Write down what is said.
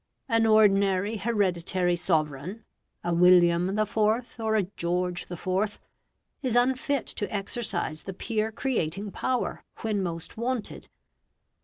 An ordinary hereditary sovereign a William IV., or a George IV. is unfit to exercise the peer creating power when most wanted.